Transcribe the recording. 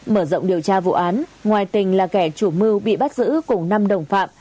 mở rộng điều tra vụ án ngoài tình là kẻ chủ mưu bị bắt giữ cùng năm đồng phạm